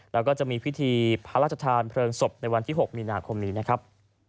แล้วก็จะมีพิธีพระราชทานเพลิงศพในวันที่๖มีนาคมนี้นะครับ